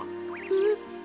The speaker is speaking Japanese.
えっ？